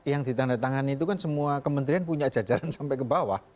yang ditandatangani itu kan semua kementerian punya jajaran sampai ke bawah